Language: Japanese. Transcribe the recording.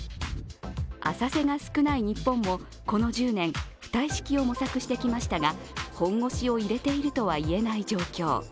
浅瀬が少ない日本もこの１０年浮体式を模索してきましたが本腰を入れているとは言えない状況。